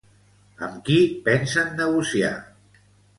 Amb qui pensen negociar?